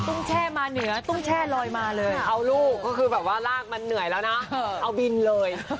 แช่มาเหนือต้องแช่ลอยมาเลยเอาลูกก็คือแบบว่ารากมันเหนื่อยแล้วนะเอาบินเลย